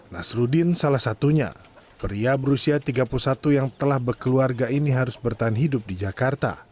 nasruddin salah satunya pria berusia tiga puluh satu yang telah berkeluarga ini harus bertahan hidup di jakarta